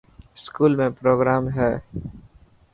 اسڪول ۾ پروگرام هي.